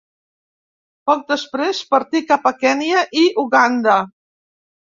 Poc després, partí cap a Kenya i Uganda.